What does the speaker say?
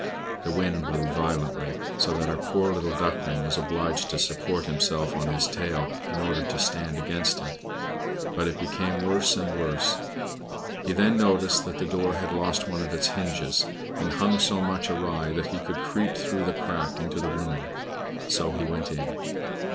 The wind blew violently, so that our poor little Duckling was obliged to support himself on his tail, in order to stand against it; but it became worse and worse. He then noticed that the door had lost one of its hinges, and hung so much awry that he could creep through the crack into the room. So he went in.